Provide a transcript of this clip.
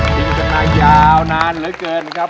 นี่มันจะมายาวนานเหลือเกินนะครับ